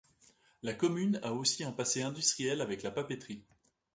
La commune a aussi un passé industriel avec la papeterie.